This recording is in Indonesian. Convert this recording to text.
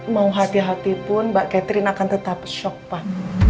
mau hati hati pun mbak catherine akan tetap shock pak